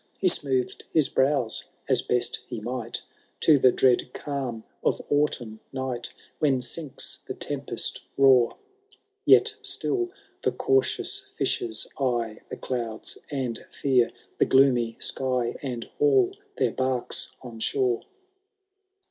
He smoothed his brows, as best he might, To the dread calm of autumn night, When sinks the tempest roar ; Yet still the cautious fishers eye The clouds, and fear the gloomy sky. And haul their barks on shore.